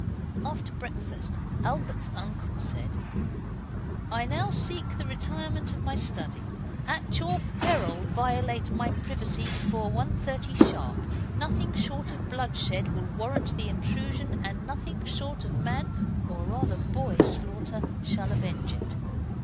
After breakfast Albert's uncle said 'I now seek the retirement of my study. At your peril violate my privacy before 1.30 sharp. Nothing short of bloodshed will warrant the intrusion, and nothing short of man or rather boy slaughter shall avenge it.